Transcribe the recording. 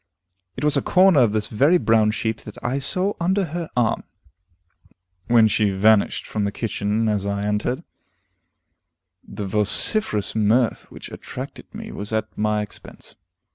It was a corner of this very brown sheet that I saw under her arm, when she vanished from the kitchen as I entered; the vociferous mirth which attracted me was at my expense.